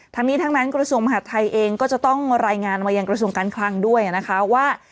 ทั้งนี้ทั้งนั้นกรส่งมหัสไทยเองก็จะต้องรายงานตรงกรส่งกั้นข้างด้วยนะคะว่า